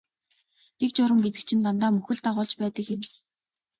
Дэг журам гэдэг чинь дандаа мөхөл дагуулж байдаг юм.